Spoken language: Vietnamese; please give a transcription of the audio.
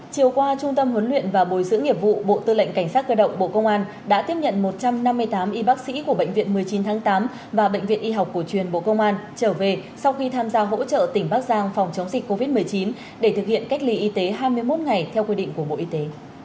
chiều qua trung tâm huấn luyện và bồi dưỡng nghiệp vụ bộ tư lệnh cảnh sát cơ động bộ công an đã tiếp nhận một trăm năm mươi tám y bác sĩ của bệnh viện một mươi chín tháng tám và bệnh viện y học cổ truyền bộ công an trở về sau khi tham gia hỗ trợ tỉnh bắc giang phòng chống dịch covid một mươi chín để thực hiện cách ly y tế hai mươi một ngày theo quy định của bộ y tế